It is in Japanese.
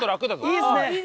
いいですね。